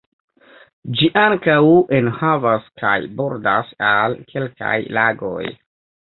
Gi ankaŭ enhavas kaj bordas al kelkaj lagoj.